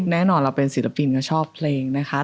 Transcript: แน่นอนเราเป็นศิลปินก็ชอบเพลงนะคะ